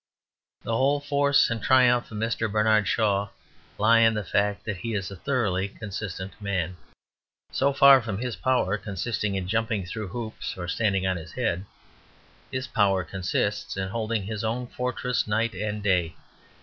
The whole force and triumph of Mr. Bernard Shaw lie in the fact that he is a thoroughly consistent man. So far from his power consisting in jumping through hoops or standing on his head, his power consists in holding his own fortress night and day.